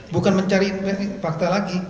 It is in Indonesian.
bukan mencari fakta lagi